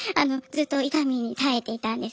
ずっと痛みに耐えていたんです。